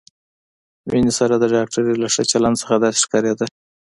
مينې سره د ډاکټرې له ښه چلند څخه داسې ښکارېده.